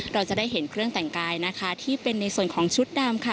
เราจะได้เห็นเครื่องแต่งกายนะคะที่เป็นในส่วนของชุดดำค่ะ